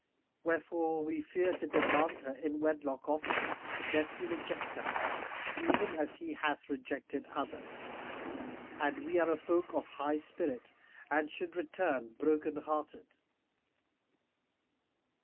Wherefore we fear to demand her in wedlock of him, lest he reject us, even as he hath rejected others; and we are a folk of high spirit and should return broken hearted."